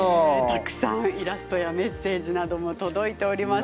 たくさんイラストやメッセージなども届いております。